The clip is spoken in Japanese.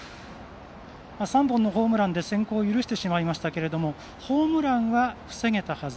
３本のホームランで先行を許してしまいましたけどホームランは防げたはず。